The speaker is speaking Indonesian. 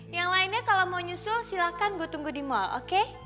yang lainnya kalau mau nyusul silahkan gue tunggu di mall oke